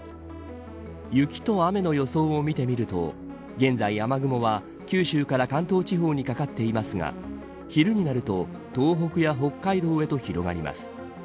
雪と雨の予想を見てみると現在雨雲は、九州から関東地方にかかっていますが昼になると東北や北海道へと広がります。